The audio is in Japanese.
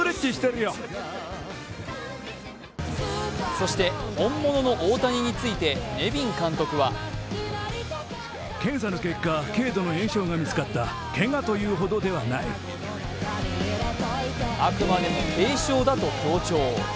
そして本物の大谷についてネビン監督はあくまでも軽傷だと強調。